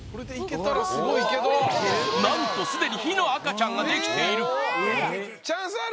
何とすでに火の赤ちゃんができている